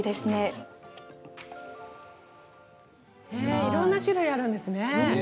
いろいろな種類があるんですね。